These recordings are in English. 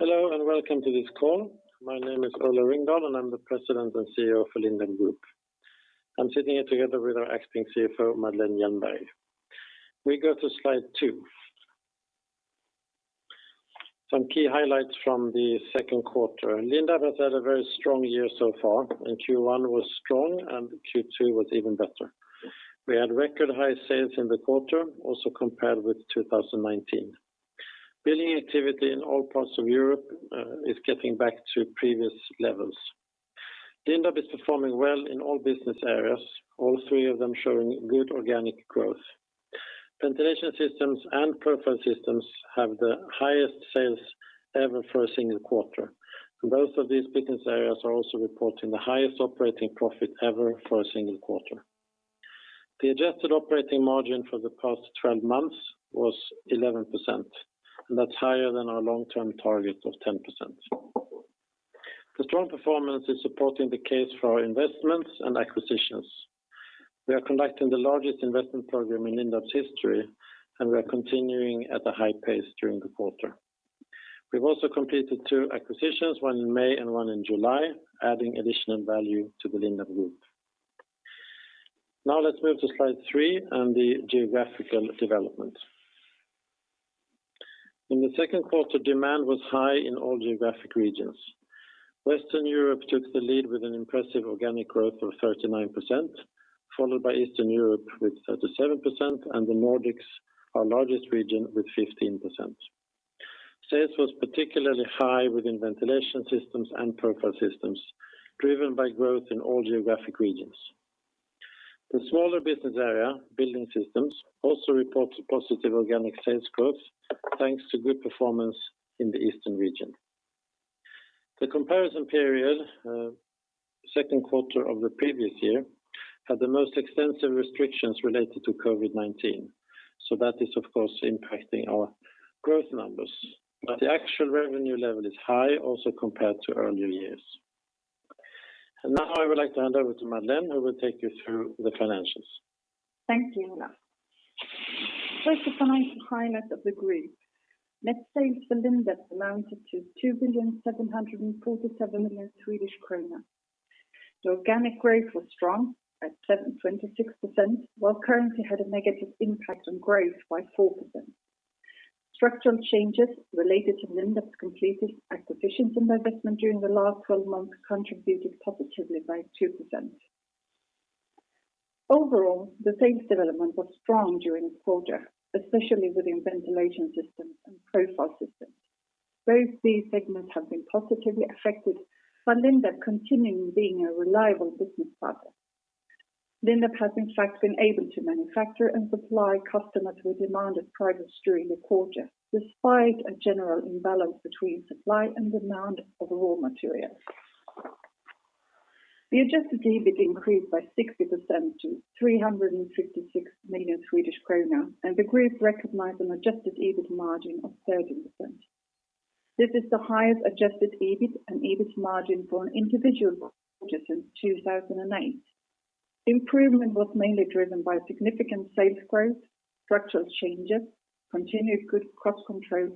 Hello, welcome to this call. My name is Ola Ringdahl, and I'm the President and CEO for Lindab Group. I'm sitting here together with our acting CFO, Madeleine Hjelmberg. We go to slide two. Some key highlights from the 2Q. Lindab has had a very strong year so far. Q1 was strong and Q2 was even better. We had record high sales in the quarter, also compared with 2019. Building activity in all parts of Europe is getting back to previous levels. Lindab is performing well in all business areas, all three of them showing good organic growth. Ventilation Systems and Profile Systems have the highest sales ever for a single quarter. Both of these business areas are also reporting the highest operating profit ever for a single quarter. The adjusted operating margin for the past 12 months was 11%, and that's higher than our long-term target of 10%. The strong performance is supporting the case for our investments and acquisitions. We are conducting the largest investment program in Lindab's history, and we are continuing at a high pace during the quarter. We've also completed two acquisitions, one in May and one in July, adding additional value to the Lindab Group. Now let's move to slide three and the geographical development. In the second quarter, demand was high in all geographic regions. Western Europe took the lead with an impressive organic growth of 39%, followed by Eastern Europe with 37% and the Nordics, our largest region, with 15%. Sales was particularly high within Ventilation Systems and Profile Systems, driven by growth in all geographic regions. The smaller business area, Building Systems, also reports a positive organic sales growth thanks to good performance in the eastern region. The comparison period, second quarter of the previous year, had the most extensive restrictions related to COVID-19, that is, of course, impacting our growth numbers. The actual revenue level is high also compared to earlier years. Now I would like to hand over to Madeleine, who will take you through the financials. Thank you, Ola. First, the financial highlights of the group. Net sales for Lindab amounted to SEK 2,747,000,000. The organic growth was strong at 26%, while currency had a negative impact on growth by 4%. Structural changes related to Lindab's completed acquisitions and investment during the last 12 months contributed positively by 2%. Overall, the sales development was strong during the quarter, especially within Ventilation Systems and Profile Systems. Both these segments have been positively affected by Lindab continuing being a reliable business partner. Lindab has, in fact, been able to manufacture and supply customers with demanded during the quarter, despite a general imbalance between supply and demand of raw materials. The adjusted EBIT increased by 60% to 356 million Swedish kronor, and the group recognized an adjusted EBIT margin of 13%. This is the highest adjusted EBIT and EBIT margin for an individual quarter since 2008. Improvement was mainly driven by significant sales growth, structural changes, continued good cost control,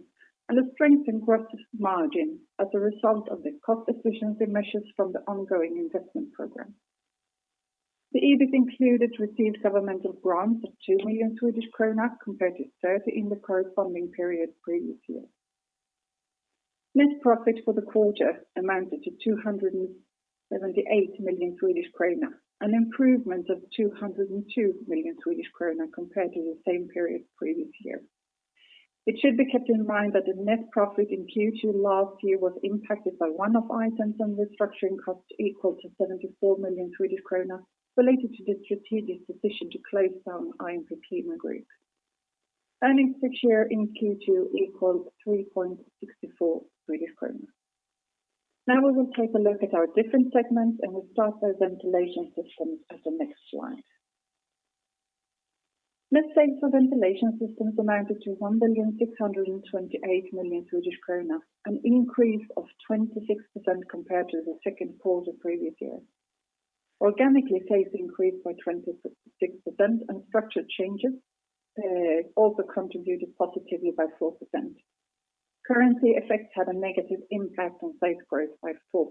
and a strength in gross margin as a result of the cost efficiency measures from the ongoing investment program. The EBIT included received governmental grants of 2 million Swedish kronor compared to 30 in the corresponding period the previous year. Net profit for the quarter amounted to 278 million Swedish krona, an improvement of 202 million Swedish krona compared to the same period the previous year. It should be kept in mind that the net profit in Q2 last year was impacted by one-off items and restructuring costs equal to 74 million Swedish kronor related to the strategic decision to close down IMP Klima Group. Earnings per share in Q2 equal 3.64. We will take a look at our different segments, and we start with Ventilation Systems at the next slide. Net sales for Ventilation Systems amounted to 1,628,000,000 Swedish kronor, an increase of 26% compared to the second quarter previous year. Organically, sales increased by 26%, and structural changes also contributed positively by 4%. Currency effects had a negative impact on sales growth by 4%.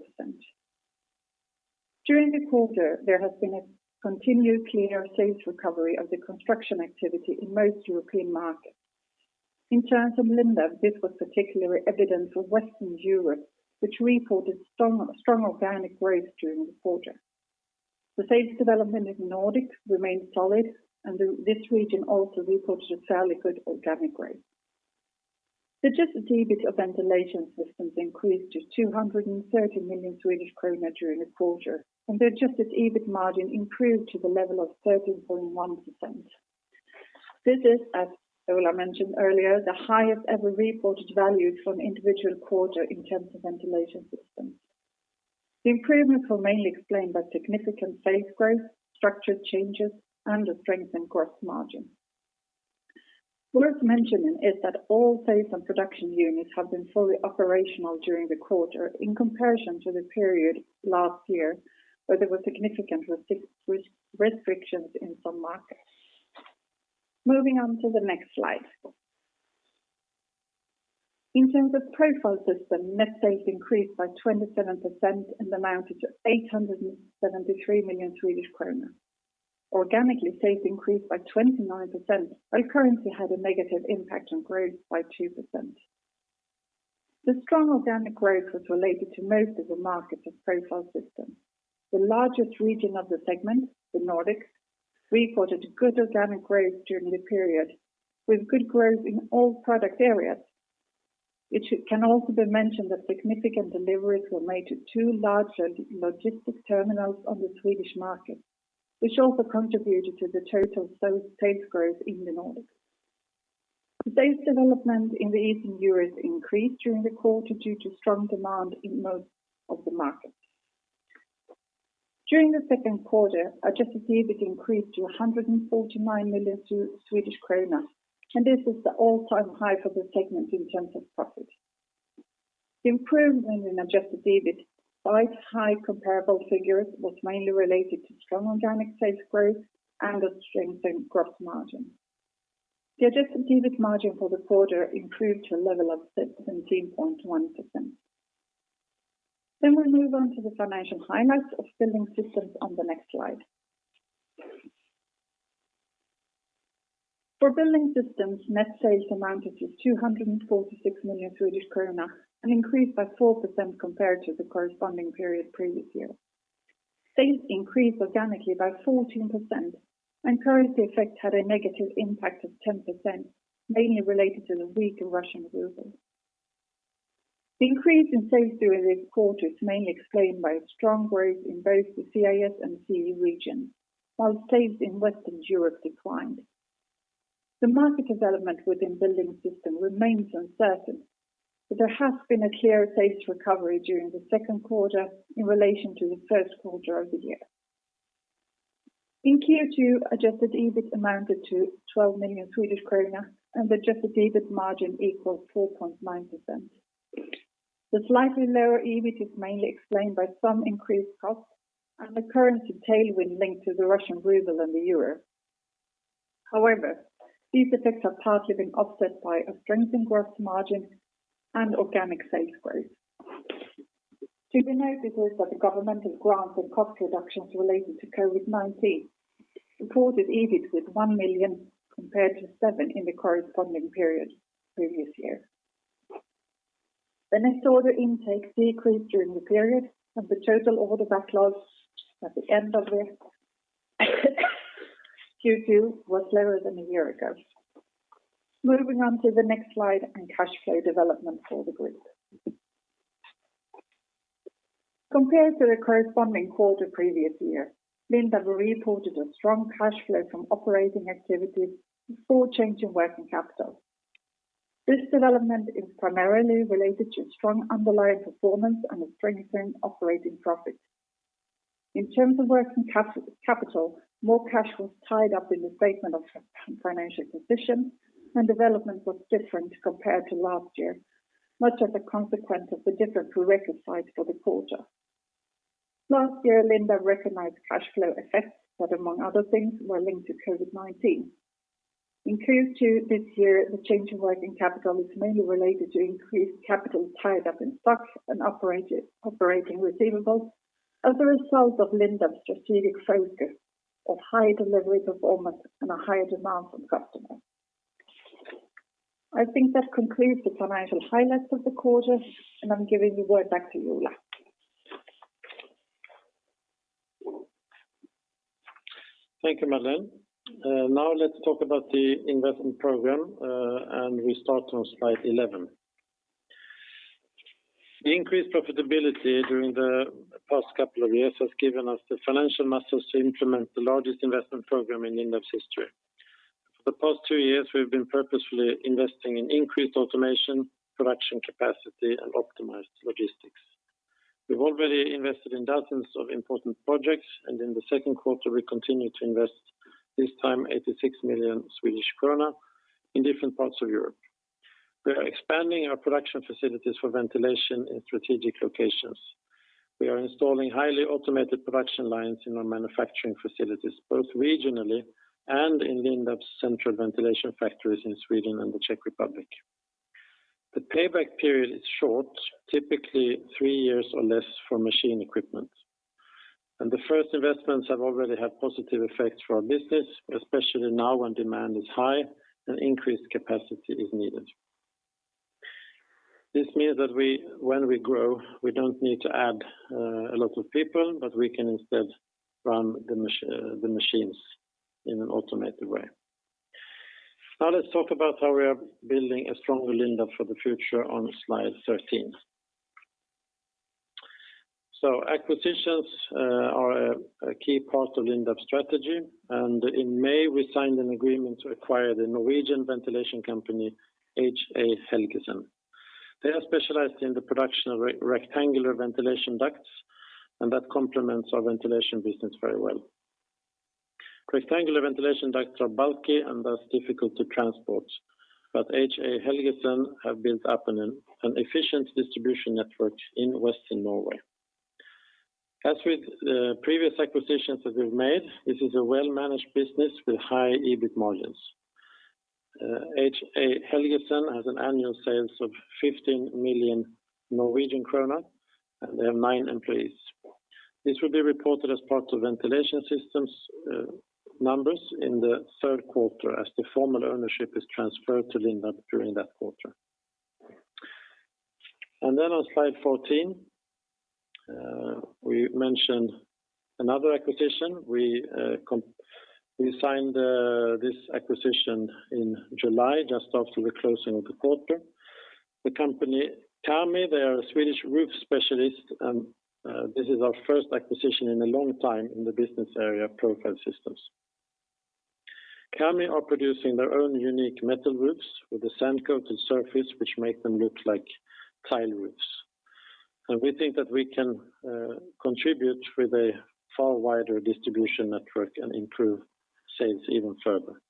During the quarter, there has been a continued clear sales recovery of the construction activity in most European markets. In terms of Lindab, this was particularly evident for Western Europe, which reported strong organic growth during the quarter. The sales development in Nordic remained solid, and this region also reported a fairly good organic growth. The adjusted EBIT of Ventilation Systems increased to 230 million Swedish kronor during the quarter, and the adjusted EBIT margin improved to the level of 13.1%. This is, as Ola mentioned earlier, the highest ever reported value for an individual quarter in terms of Ventilation Systems. The improvements were mainly explained by significant sales growth, structural changes, and a strength in gross margin. Worth mentioning is that all sales and production units have been fully operational during the quarter in comparison to the period last year, where there were significant restrictions in some markets. Moving on to the next slide. In terms of Profile Systems, net sales increased by 27% and amounted to 873 million Swedish kronor. Organically, sales increased by 29%, while currency had a negative impact on growth by 2%. The strong organic growth was related to most of the markets of Profile Systems. The largest region of the segment, the Nordics, reported good organic growth during the period, with good growth in all product areas. It can also be mentioned that significant deliveries were made to two large logistic terminals on the Swedish market, which also contributed to the total sales growth in the Nordics. The sales development in Eastern Europe increased during the quarter due to strong demand in most of the markets. During the second quarter, adjusted EBIT increased to 149 million Swedish kronor, and this is the all-time high for the segment in terms of profit. The improvement in adjusted EBIT by high comparable figures was mainly related to strong organic sales growth and a strengthened gross margin. The adjusted EBIT margin for the quarter improved to a level of 17.1%. We move on to the financial highlights of Building Systems on the next slide. For Building Systems, net sales amounted to 246 million Swedish kronor, an increase by 4% compared to the corresponding period previous year. Sales increased organically by 14%, and currency effect had a negative impact of 10%, mainly related to the weaker Russian ruble. The increase in sales during this quarter is mainly explained by strong growth in both the CIS and CE region, while sales in Western Europe declined. The market development within Building Systems remains uncertain, but there has been a clear sales recovery during the second quarter in relation to the first quarter of the year. In Q2, adjusted EBIT amounted to 12 million Swedish krona and adjusted EBIT margin equals 4.9%. The slightly lower EBIT is mainly explained by some increased costs and the currency tailwind linked to the Russian ruble and the euro. However, these effects have partly been offset by a strengthened gross margin and organic sales growth. To be noted is that the governmental grants and cost reductions related to COVID-19 supported EBIT with 1 million compared to 7 million in the corresponding period the previous year. The net order intake decreased during the period. The total order backlog at the end of the Q2 was lower than a year ago. Moving on to the next slide on cash flow development for the group. Compared to the corresponding quarter previous year, Lindab reported a strong cash flow from operating activities before change in working capital. This development is primarily related to strong underlying performance and a strengthening operating profit. In terms of working capital, more cash was tied up in the statement of financial position and development was different compared to last year, much as a consequence of the different project sites for the quarter. Last year, Lindab recognized cash flow effects that, among other things, were linked to COVID-19. In Q2 this year, the change in working capital is mainly related to increased capital tied up in stocks and operating receivables as a result of Lindab's strategic focus of high delivery performance and a higher demand from customers. I think that concludes the financial highlights of the quarter, and I'm giving the word back to Ola. Thank you, Madeleine. Let's talk about the investment program, and we start on slide 11. The increased profitability during the past couple of years has given us the financial muscles to implement the largest investment program in Lindab's history. For the past two years, we've been purposefully investing in increased automation, production capacity, and optimized logistics. We've already invested in dozens of important projects, and in the second quarter, we continued to invest, this time 86 million Swedish krona in different parts of Europe. We are expanding our production facilities for ventilation in strategic locations. We are installing highly automated production lines in our manufacturing facilities, both regionally and in Lindab's central ventilation factories in Sweden and the Czech Republic. The payback period is short, typically three years or less for machine equipment. The first investments have already had positive effects for our business, especially now when demand is high and increased capacity is needed. This means that when we grow, we don't need to add a lot of people, but we can instead run the machines in an automated way. Let's talk about how we are building a stronger Lindab for the future on slide 13. Acquisitions are a key part of Lindab's strategy, and in May, we signed an agreement to acquire the Norwegian ventilation company, H.A. Helgesen. They are specialized in the production of rectangular ventilation ducts, and that complements our ventilation business very well. Rectangular ventilation ducts are bulky and thus difficult to transport, but H.A. Helgesen have built up an efficient distribution network in Western Norway. As with previous acquisitions that we've made, this is a well-managed business with high EBIT margins. Helgesen has an annual sales of 15 million Norwegian kroner, and they have nine employees. This will be reported as part of Ventilation Systems numbers in the third quarter as the formal ownership is transferred to Lindab during that quarter. Then on slide 14, we mentioned another acquisition. We signed this acquisition in July, just after the closing of the quarter. The company, KAMI, they are a Swedish roof specialist, and this is our first acquisition in a long time in the business area Profile Systems. KAMI are producing their own unique metal roofs with a sand-coated surface, which make them look like tile roofs. We think that we can contribute with a far wider distribution network and improve sales even further.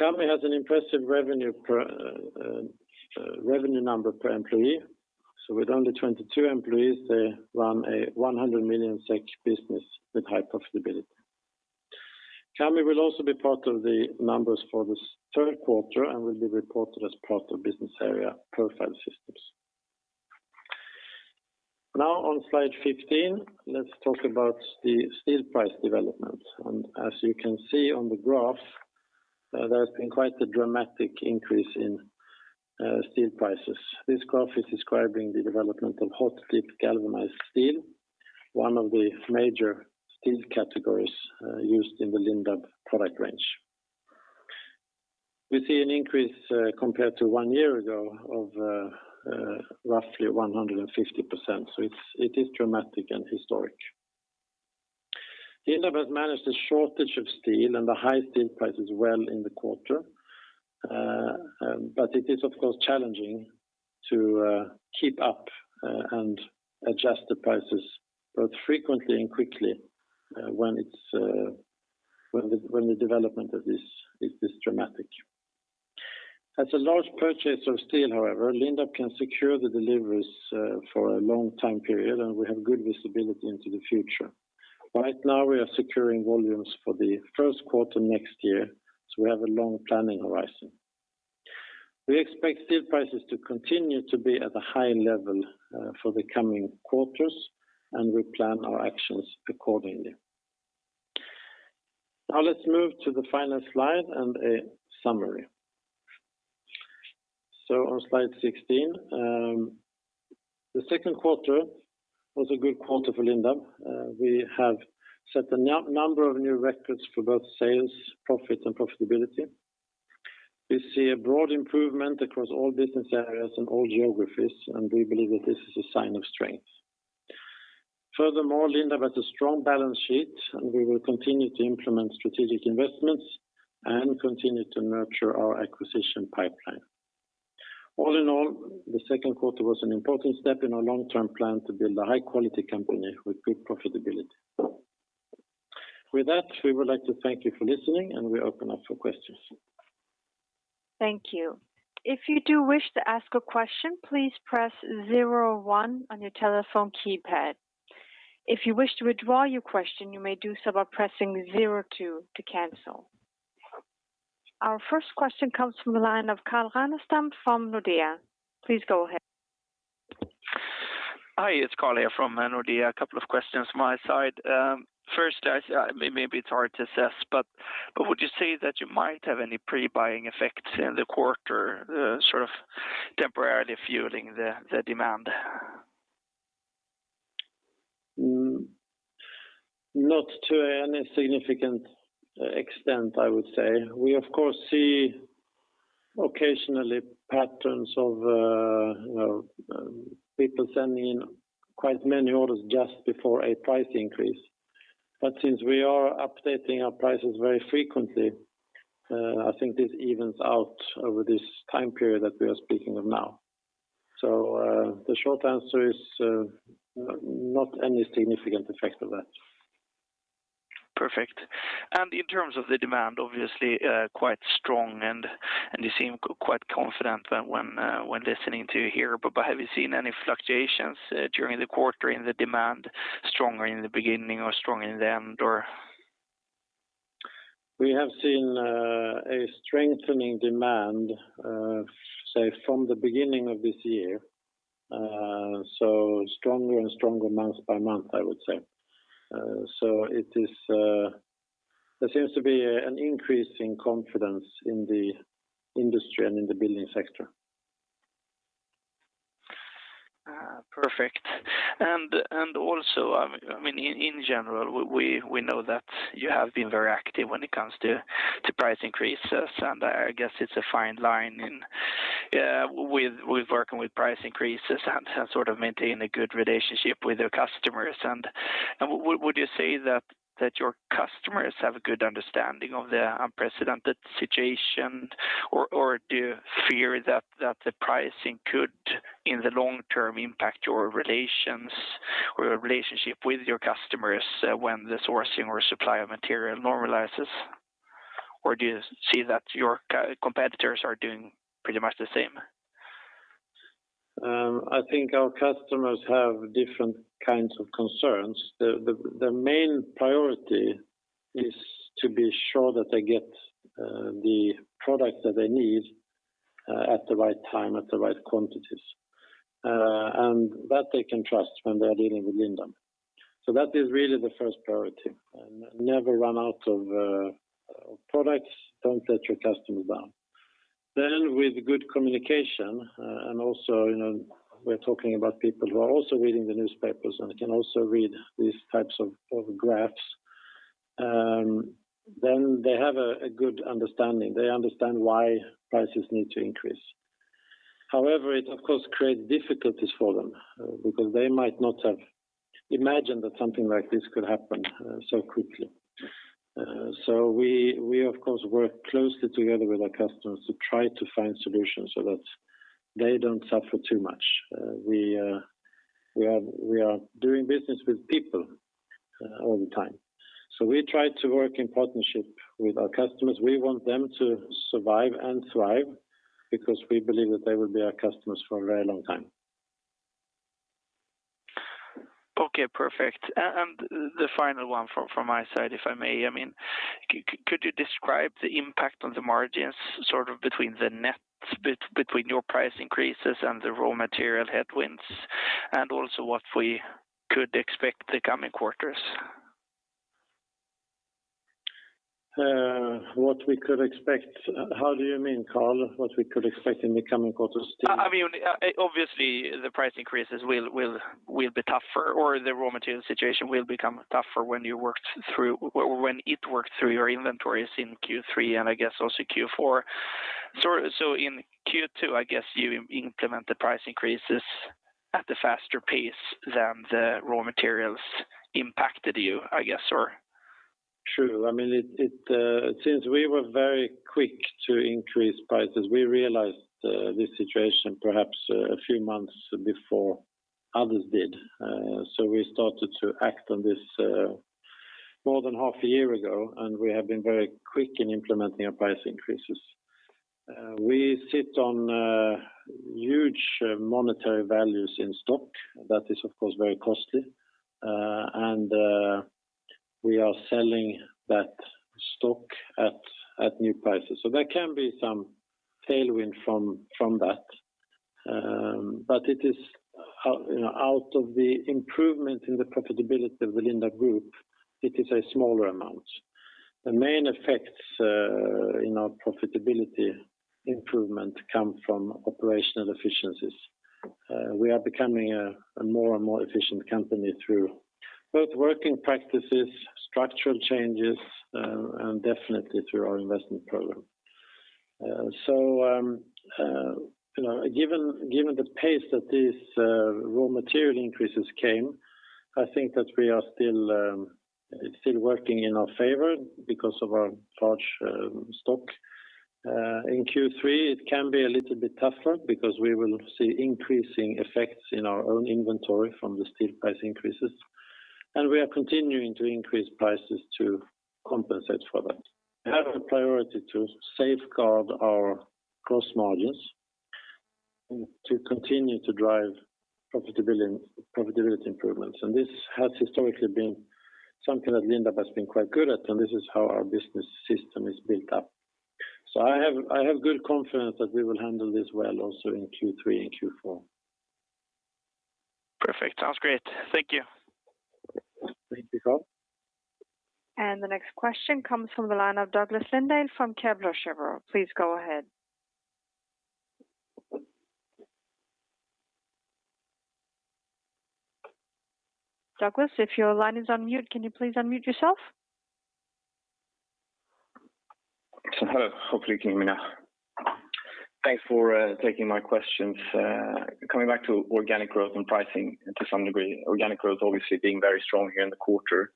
KAMI has an impressive revenue number per employee. With only 22 employees, they run a 100 million SEK business with high profitability. KAMI will also be part of the numbers for this third quarter and will be reported as part of business area Profile Systems. On slide 15, let's talk about the steel price development. As you can see on the graph, there has been quite a dramatic increase in steel prices. This graph is describing the development of hot-dip galvanized steel, one of the major steel categories used in the Lindab product range. We see an increase compared to one year ago of roughly 150%. It is dramatic and historic. Lindab has managed the shortage of steel and the high steel prices well in the quarter. It is, of course, challenging to keep up and adjust the prices both frequently and quickly, when the development of this is this dramatic. As a large purchaser of steel, however, Lindab can secure the deliveries for a long time period, and we have good visibility into the future. Right now, we are securing volumes for the first quarter next year, so we have a long planning horizon. We expect steel prices to continue to be at a high level for the coming quarters, and we plan our actions accordingly. Let's move to the final slide and a summary. On slide 16, the second quarter was a good quarter for Lindab. We have set a number of new records for both sales, profit, and profitability. We see a broad improvement across all business areas and all geographies, and we believe that this is a sign of strength. Furthermore, Lindab has a strong balance sheet, and we will continue to implement strategic investments and continue to nurture our acquisition pipeline. All in all, the second quarter was an important step in our long-term plan to build a high-quality company with good profitability. With that, we would like to thank you for listening, and we open up for questions. Thank you. Our first question comes from the line of Carl Ragnerstam from Nordea. Please go ahead. Hi, it's Carl here from Nordea. A couple of questions from my side. First, maybe it's hard to assess, but would you say that you might have any pre-buying effects in the quarter, sort of temporarily fueling the demand? Not to any significant extent, I would say. We, of course, see occasionally patterns of people sending in quite many orders just before a price increase. Since we are updating our prices very frequently, I think this evens out over this time period that we are speaking of now. The short answer is, not any significant effect of that. Perfect. In terms of the demand, obviously, quite strong, and you seem quite confident when listening to you here. Have you seen any fluctuations during the quarter in the demand, stronger in the beginning or stronger in the end? We have seen a strengthening demand, say, from the beginning of this year, so stronger and stronger month by month, I would say. There seems to be an increase in confidence in the industry and in the building sector. Perfect. Also, in general, we know that you have been very active when it comes to price increases, and I guess it's a fine line with working with price increases and sort of maintaining a good relationship with your customers. Would you say that your customers have a good understanding of the unprecedented situation? Do you fear that the pricing could, in the long term, impact your relations or your relationship with your customers when the sourcing or supply of material normalizes? Do you see that your competitors are doing pretty much the same? I think our customers have different kinds of concerns. The main priority is to be sure that they get the product that they need at the right time, at the right quantities. That they can trust when they're dealing with Lindab. That is really the first priority. Never run out of products. Don't let your customer down. With good communication, and also we're talking about people who are also reading the newspapers and can also read these types of graphs, then they have a good understanding. They understand why prices need to increase. However, it of course creates difficulties for them, because they might not have imagined that something like this could happen so quickly. We of course work closely together with our customers to try to find solutions so that they don't suffer too much. We are doing business with people all the time. We try to work in partnership with our customers. We want them to survive and thrive because we believe that they will be our customers for a very long time. Okay, perfect. The final one from my side, if I may. Could you describe the impact on the margins between the net, between your price increases and the raw material headwinds, and also what we could expect the coming quarters? What we could expect? How do you mean, Carl? What we could expect in the coming quarters? Obviously, the price increases will be tougher or the raw material situation will become tougher when it worked through your inventories in Q3 and I guess also Q4. In Q2, I guess you implement the price increases at a faster pace than the raw materials impacted you, I guess? We were very quick to increase prices, we realized this situation perhaps a few months before others did. We started to act on this more than half a year ago, and we have been very quick in implementing our price increases. We sit on huge monetary values in stock. That is of course very costly. We are selling that stock at new prices. There can be some tailwind from that. Out of the improvement in the profitability of the Lindab Group, it is a smaller amount. The main effects in our profitability improvement come from operational efficiencies. We are becoming a more and more efficient company through both working practices, structural changes, and definitely through our investment program. Given the pace that these raw material increases came, I think that it's still working in our favor because of our large stock. In Q3, it can be a little bit tougher because we will see increasing effects in our own inventory from the steel price increases, and we are continuing to increase prices to compensate for that. We have a priority to safeguard our gross margins to continue to drive profitability improvements, and this has historically been something that Lindab has been quite good at, and this is how our business system is built up. So I have good confidence that we will handle this well also in Q3 and Q4. Perfect. Sounds great. Thank you. Thank you, Carl. The next question comes from the line of Douglas Lindahl from Kepler Cheuvreux. Please go ahead. Douglas, if your line is on mute, can you please unmute yourself? Hello. Hopefully you can hear me now. Thanks for taking my questions. Coming back to organic growth and pricing to some degree, organic growth obviously being very strong here in the quarter.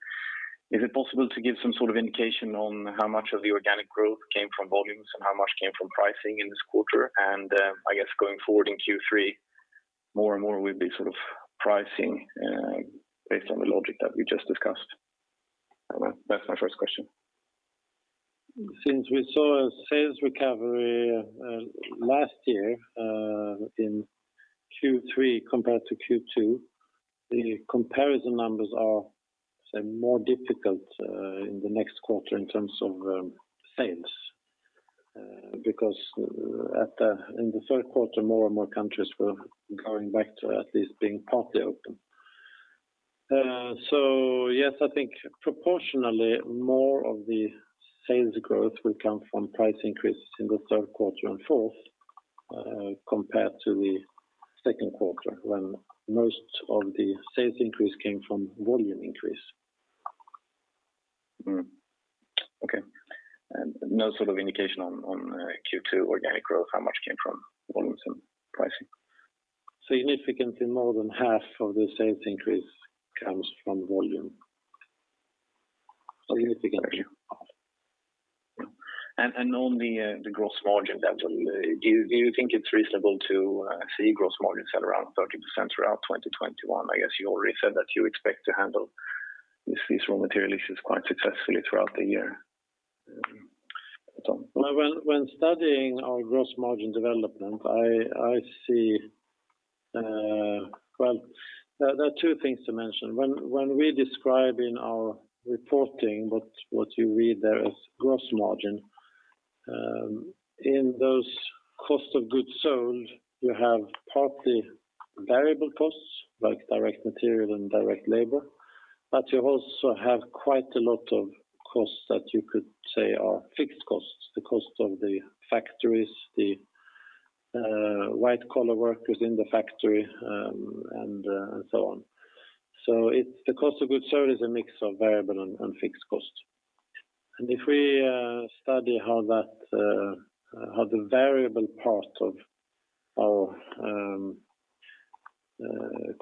Is it possible to give some sort of indication on how much of the organic growth came from volumes and how much came from pricing in this quarter? I guess going forward in Q3, more and more will be sort of pricing based on the logic that we just discussed. That's my first question. Since we saw a sales recovery last year in Q3 compared to Q2, the comparison numbers are more difficult in the next quarter in terms of sales. Because in the third quarter, more and more countries were going back to at least being partly open. Yes, I think proportionally more of the sales growth will come from price increases in the third quarter and fourth compared to the second quarter when most of the sales increase came from volume increase. Okay. No sort of indication on Q2 organic growth, how much came from volumes and pricing? Significantly more than half of the sales increase comes from volume. Significantly. On the gross margin level, do you think it is reasonable to see gross margins at around 30% throughout 2021? I guess you already said that you expect to handle these raw material issues quite successfully throughout the year. When studying our gross margin development, there are two things to mention. When we describe in our reporting what you read there as gross margin, in those cost of goods sold, you have partly variable costs, like direct material and direct labor, but you also have quite a lot of costs that you could say are fixed costs, the cost of the factories, the white-collar workers in the factory, and so on. The cost of goods sold is a mix of variable and fixed costs. If we study how the variable part of our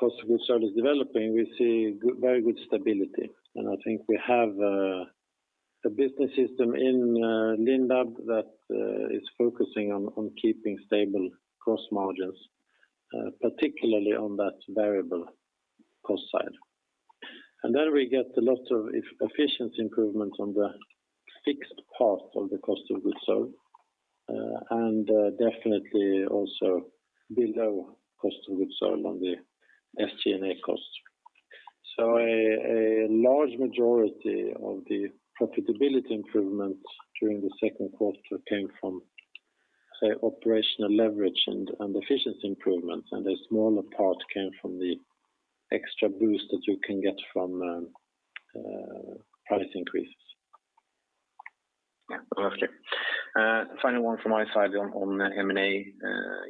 cost of goods sold is developing, we see very good stability. I think we have a business system in Lindab that is focusing on keeping stable gross margins, particularly on that variable cost side. We get a lot of efficiency improvements on the fixed part of the cost of goods sold, and definitely also below cost of goods sold on the SG&A costs. A large majority of the profitability improvements during the second quarter came from operational leverage and efficiency improvements, and a smaller part came from the extra boost that you can get from price increases. Yeah. Perfect. Final one from my side on M&A.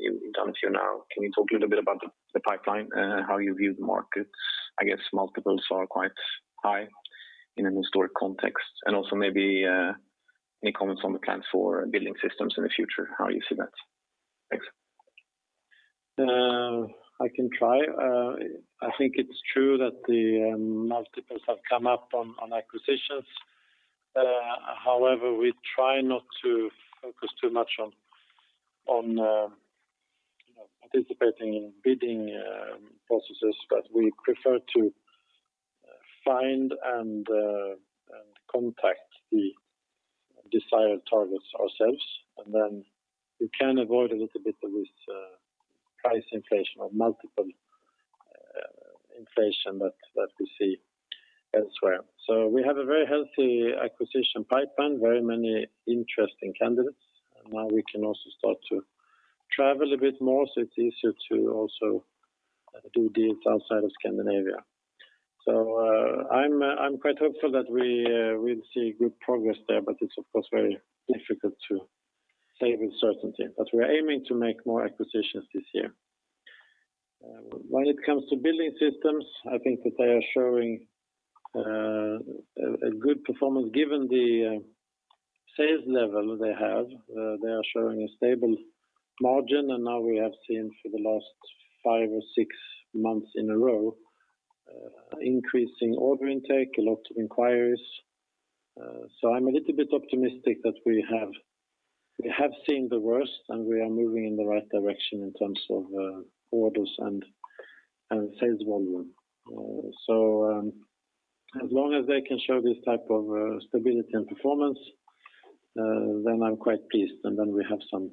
You've done a few now. Can you talk a little bit about the pipeline? How you view the markets? I guess multiples are quite high in an historic context. Also maybe any comments on the plan for Building Systems in the future, how you see that? Thanks. I can try. I think it's true that the multiples have come up on acquisitions. We try not to focus too much on participating in bidding processes, but we prefer to find and contact the desired targets ourselves. We can avoid a little bit of this price inflation or multiple inflation that we see elsewhere. We have a very healthy acquisition pipeline, very many interesting candidates. Now we can also start to travel a bit more, so it's easier to also do deals outside of Scandinavia. I'm quite hopeful that we'll see good progress there, but it's of course very difficult to say with certainty. We're aiming to make more acquisitions this year. When it comes to Building Systems, I think that they are showing a good performance given the sales level they have. They are showing a stable margin. Now we have seen for the last five or six months in a row increasing order intake, a lot of inquiries. I'm a little bit optimistic that we have seen the worst, and we are moving in the right direction in terms of orders and sales volume. As long as they can show this type of stability and performance, then I'm quite pleased, and then we have some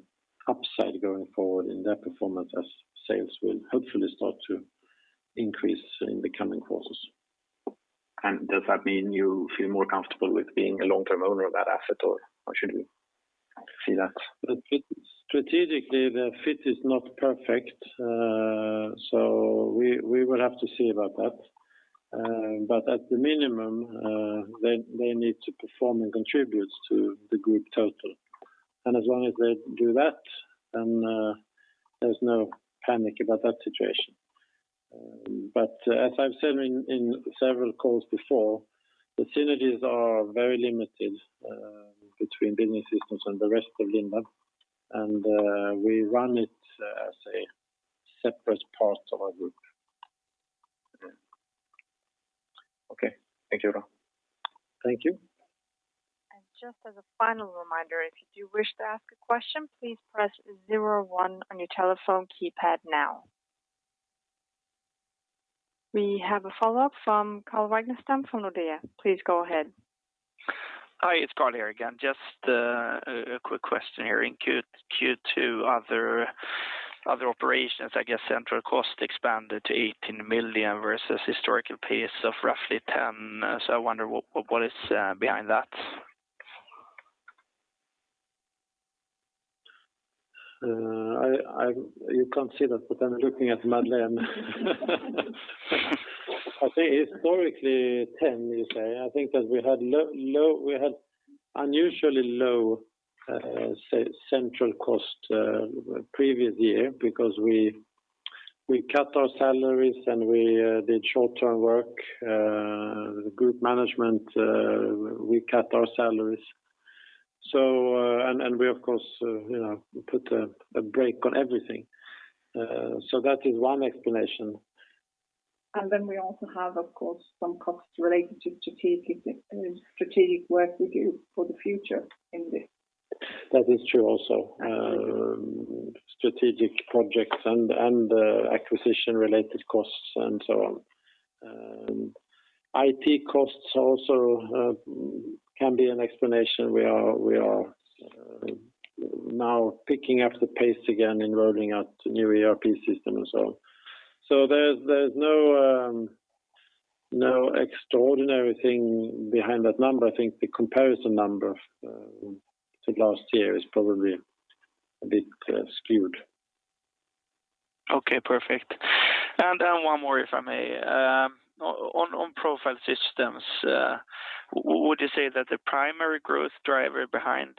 upside going forward in their performance as sales will hopefully start to increase in the coming quarters. Does that mean you feel more comfortable with being a long-term owner of that asset, or how should we see that? Strategically, the fit is not perfect, so we will have to see about that. At the minimum, they need to perform and contribute to the group total. As long as they do that, there's no panic about that situation. As I've said in several calls before, the synergies are very limited between Building Systems and the rest of Lindab, and we run it as a separate part of our group. Okay. Thank you. Thank you. Just as a final reminder, if you do wish to ask a question, please press 01 on your telephone keypad now. We have a follow-up from Carl Ragnerstam from Nordea. Please go ahead. Hi, it's Carl here again. Just a quick question here. In Q2, other operations, I guess central cost expanded to 18 million versus historical pace of roughly 10 million. I wonder what is behind that? You can't see that, but I'm looking at Madeleine. I think historically 10, you say. I think that we had unusually low central cost previous year because we cut our salaries and we did short-term work. The group management, we cut our salaries. We, of course, put a brake on everything. That is one explanation. We also have, of course, some costs related to strategic work we do for the future in this. That is true also. Strategic projects and acquisition-related costs and so on. IT costs also can be an explanation. We are now picking up the pace again in rolling out the new ERP system and so on. There's no extraordinary thing behind that number. I think the comparison number to last year is probably a bit skewed. Okay, perfect. One more, if I may. On Profile Systems, would you say that the primary growth driver behind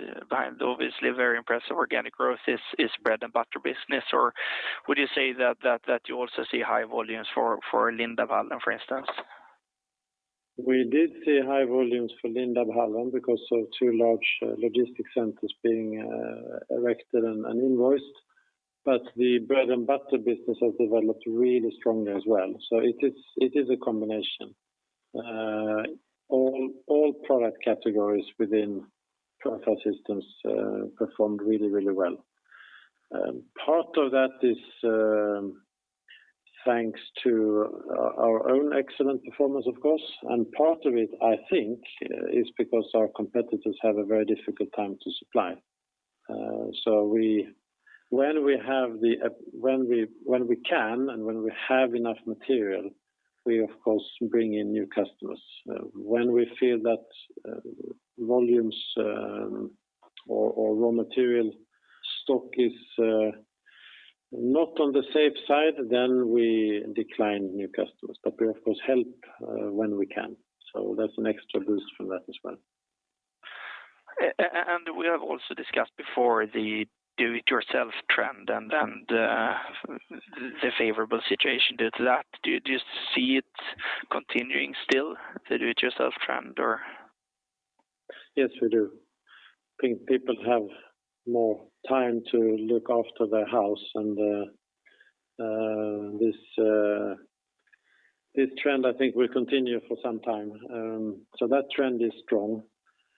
obviously very impressive organic growth is bread-and-butter business, or would you say that you also see high volumes for Lindab Hallen, for instance? We did see high volumes for Lindab Hallen because of two large logistics centers being erected and invoiced. The bread-and-butter business has developed really strongly as well. It is a combination. All product categories within Profile Systems performed really well. Part of that is thanks to our own excellent performance, of course, and part of it, I think, is because our competitors have a very difficult time to supply. When we can and when we have enough material, we of course bring in new customers. When we feel that volumes or raw material stock is not on the safe side, we decline new customers. We of course help when we can. That's an extra boost from that as well. We have also discussed before the do-it-yourself trend and the favorable situation due to that. Do you see it continuing still, the do-it-yourself trend, or? Yes, we do. I think people have more time to look after their house, and this trend I think will continue for some time. That trend is strong.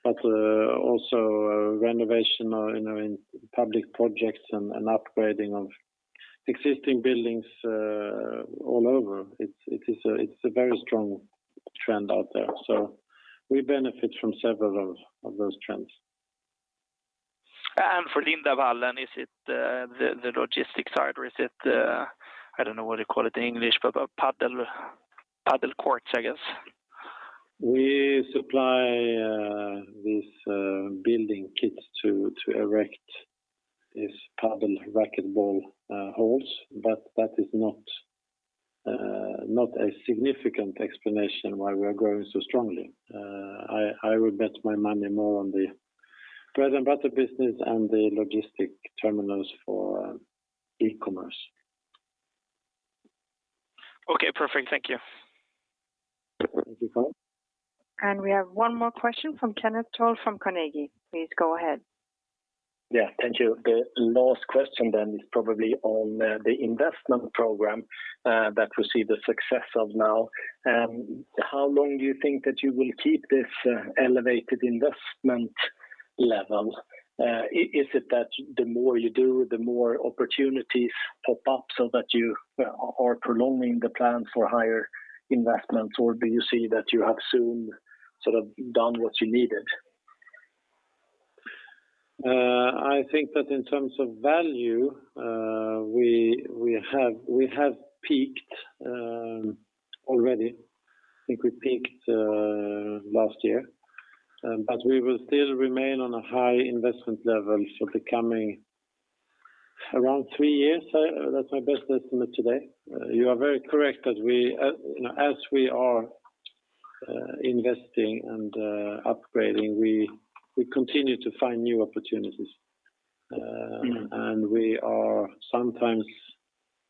Also renovation in public projects and upgrading of existing buildings all over, it's a very strong trend out there. We benefit from several of those trends. For Lindab Hallen, is it the logistics side, or is it the, I don't know what they call it in English, but padel courts, I guess? We supply these building kits to erect these padel racquetball halls, but that is not a significant explanation why we are growing so strongly. I would bet my money more on the bread-and-butter business and the logistic terminals for e-commerce. Okay, perfect. Thank you. Thank you. We have one more question from Kenneth Toll from Carnegie. Please go ahead. Yeah, thank you. The last question then is probably on the investment program that we see the success of now. How long do you think that you will keep this elevated investment level? Is it that the more you do, the more opportunities pop up so that you are prolonging the plan for higher investments, or do you see that you have soon sort of done what you needed? I think that in terms of value, we have peaked already. I think we peaked last year. We will still remain on a high investment level for the coming around three years. That's my best estimate today. You are very correct that as we are investing and upgrading, we continue to find new opportunities. We are sometimes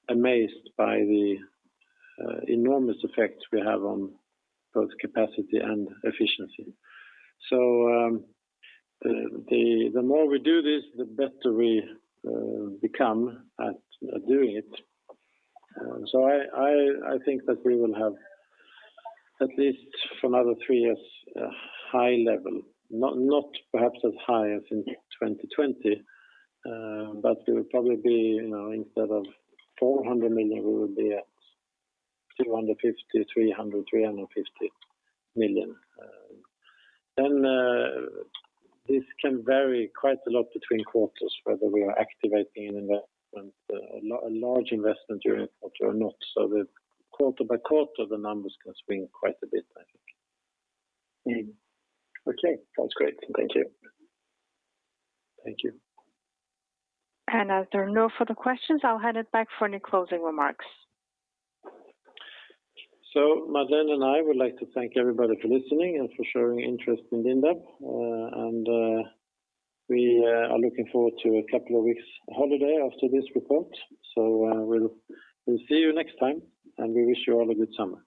amazed by the enormous effect we have on both capacity and efficiency. The more we do this, the better we become at doing it. I think that we will have at least for another three years, a high level. Not perhaps as high as in 2020, but we will probably be instead of 400 million, we will be at 250 million, 300 million, 350 million. This can vary quite a lot between quarters, whether we are activating an investment, a large investment during a quarter or not. Quarter by quarter, the numbers can swing quite a bit, I think. Okay. That's great. Thank you. Thank you. As there are no further questions, I'll hand it back for any closing remarks. Madeleine and I would like to thank everybody for listening and for showing interest in Lindab. We are looking forward to a couple of weeks holiday after this report. We'll see you next time, and we wish you all a good summer.